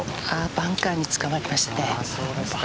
バンカーにつかまりましたね。